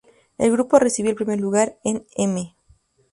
El grupo recibió el primer lugar en "M!